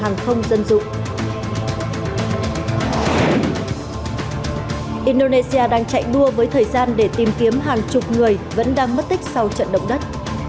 hôm nay đang chạy đua với thời gian để tìm kiếm hàng chục người vẫn đang mất tích sau trận động đất